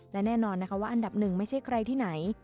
และแน่นอนนะคะว่าอันดับหนึ่งไม่ใช่ใครที่ไหน